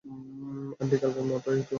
Aunty, কালকের মতোইতো।